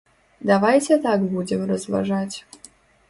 Давайце так будзем разважаць.